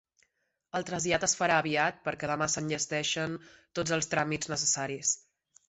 El trasllat es farà aviat perquè demà s'enllesteixen tots els tràmits necessaris.